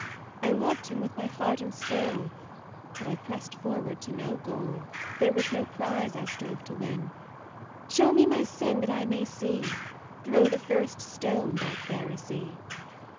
I loved him with my heart and soul, But I pressed forward to no goal, There was no prize I strove to win. Show me my sin that I may see: Throw the first stone, thou Pharisee.